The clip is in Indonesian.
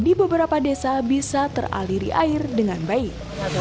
jadi beberapa desa bisa teraliri air dengan baik